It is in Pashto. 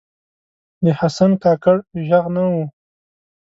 د حسن کاکړ ږغ نه و